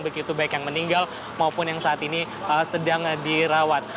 begitu baik yang meninggal maupun yang saat ini sedang dirawat